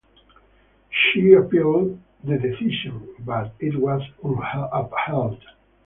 She appealed the decision, but it was upheld.